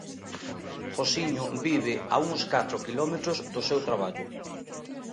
Josiño vive a uns catro quilómetros do seu traballo.